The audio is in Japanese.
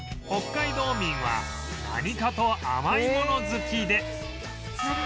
北海道民は何かと甘いもの好きで